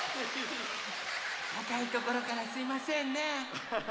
たかいところからすいませんね。